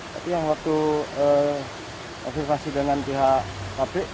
tapi yang waktu konfirmasi dengan pihak kpk